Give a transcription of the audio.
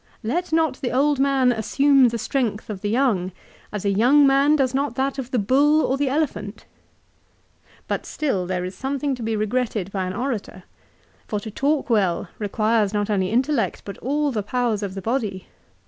" Let not the old man assume the strength of the young, as a young man does not that of the bull or the elephant." " But still there is something to be regretted by an orator, for to talk well requires not only intellect but all the powers of the body.